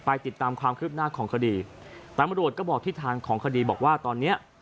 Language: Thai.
ติดตามความคืบหน้าของคดีตำรวจก็บอกทิศทางของคดีบอกว่าตอนเนี้ย